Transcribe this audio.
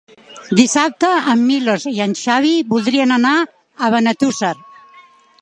Dissabte en Milos i en Xavi voldrien anar a Benetússer.